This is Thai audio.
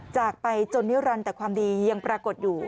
จากไปจนนิรันดิแต่ความดียังปรากฏอยู่